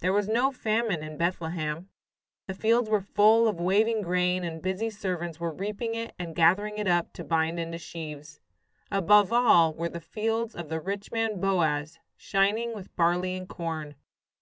There was no famine in Bethlehem. The fields were full of waving grain, and busy servants were reaping it and gathering it up to bind into sheaves. Above all were the fields of the rich man, Boaz, shining with barley and corn.